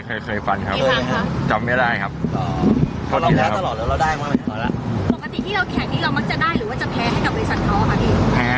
ปกติที่เราแข่งที่เรามักจะได้หรือว่าจะแพ้ให้กับบริษัทเขาอันนี้